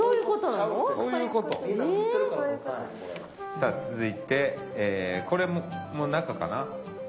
さあ続いてこれも中かな？